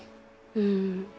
うん。